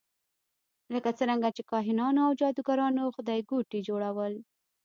لکه څرنګه چې کاهنانو او جادوګرانو خدایګوټي جوړول.